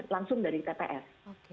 langsung dari tps